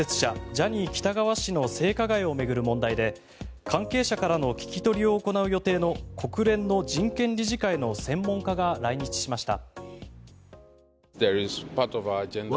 ジャニー喜多川氏の性加害を巡る問題で関係者からの聞き取りを行う予定の国連の人権理事会の専門家が来日しました。